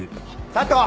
佐藤。